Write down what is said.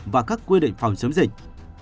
và các quy định phòng chống dịch